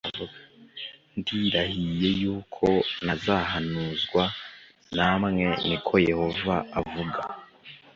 ndirahiye yuko ntazahanuzwa namwe ni ko yehova avuze